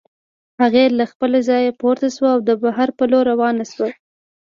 هغې له خپله ځايه پورته شوه او د بهر په لور روانه شوه.